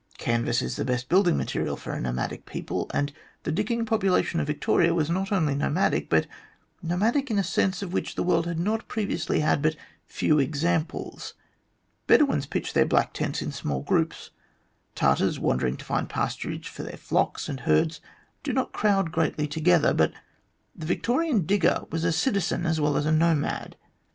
Canvas is the best building material for a nomadic people, and the digging population of Victoria was not only nomadic, but nomadic in a sense of which the world had previously had but few examples. Bedouins pitch their black tents in small groups. Tartars wandering to find pasturage for their flocks and herds do not crowd greatly together, but the Victorian digger was a citizen as well as a nomad.